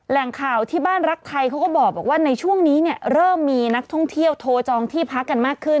แหล่งข่าวที่บ้านรักไทยเขาก็บอกว่าในช่วงนี้เนี่ยเริ่มมีนักท่องเที่ยวโทรจองที่พักกันมากขึ้น